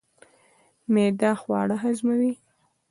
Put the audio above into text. معده خواړه هضموي